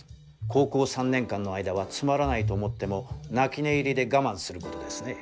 高校３年間の間はつまらないと思っても泣き寝入りで我慢することですね。